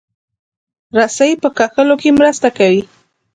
رسۍ په کښلو کې مرسته کوي.